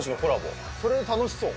それ楽しそう。